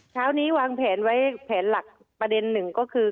เช้านี้วางแผนไว้แผนหลักประเด็นหนึ่งก็คือ